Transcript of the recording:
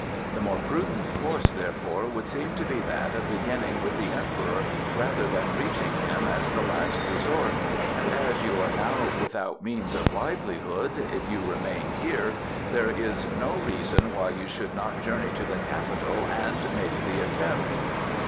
The more prudent course, therefore, would seem to be that of beginning with the Emperor rather than reaching him as the last resort, and as you are now without means of livelihood if you remain here there is no reason why you should not journey to the Capital and make the attempt."